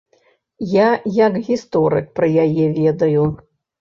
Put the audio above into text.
Я як гісторык пра яе ведаю.